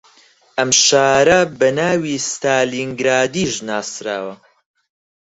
ئەم شارە بە ناوی ستالینگرادیش ناسراوە